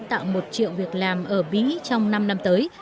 tạo một triệu việc làm ở mỹ trong năm năm tới